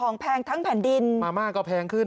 โอ้โฮ